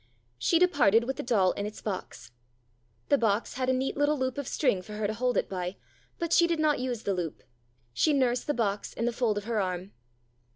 She departed with the doll in its box. The box had a neat little loop of string for her to hold it by, but she did not use the loop. She nursed the box in the fold of her arm.